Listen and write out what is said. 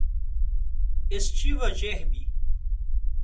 Estiva Gerbi